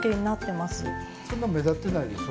そんな目立ってないでしょ？